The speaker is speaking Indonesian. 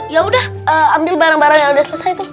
ya udah ambil barang barang yang udah selesai tuh